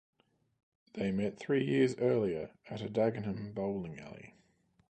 They met three years earlier at a Dagenham bowling alley.